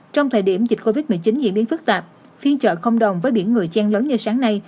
trong thời điểm dịch covid một mươi chín hiện biến phức tạp phiên trợ không đồng với biển người chen lớn như sáng nay